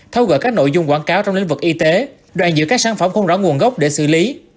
thấu gỡ các nội dung quảng cáo trong lĩnh vực y tế đoạn giữa các sản phẩm không rõ nguồn gốc để xử lý